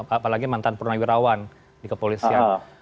apalagi mantan purna wirawan di kepolisian